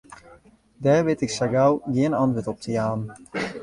Dêr wit ik sa gau gjin antwurd op te jaan.